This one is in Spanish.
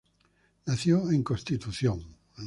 Nació en Constitución.